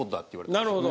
なるほど。